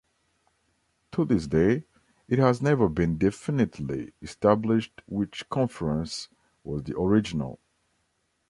To this day, it has never been definitively established which conference was the original.